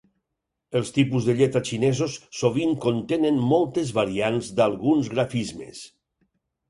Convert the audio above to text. Els tipus de lletra xinesos sovint contenen moltes variants d'alguns grafismes.